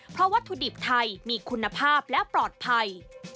เพราะวัตถุดิบไทยมีคุณภาพและปลอดภัย